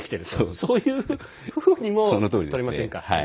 そういうふうにも、とれませんか。